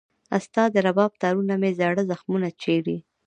ستا د رباب تارونه مې زاړه زخمونه چېړي